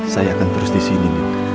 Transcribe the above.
saya akan terus disini